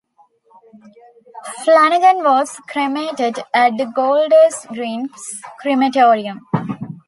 Flanagan was cremated at the Golders Green Crematorium.